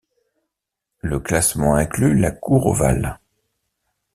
Le classement inclut la Cour ovale.